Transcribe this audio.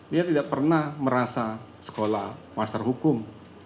dia tidak pernah merasa sekolah master hukum